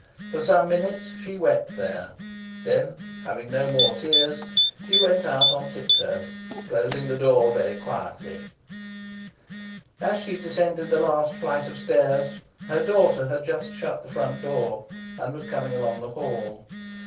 For some minutes she wept there. Then, having no more, tears, she went out on tip toe, closing the door very quietly. As she descended the last flight of stairs, her daughter had just shut the front door, and was coming along the hall.